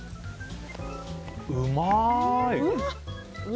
うまーい！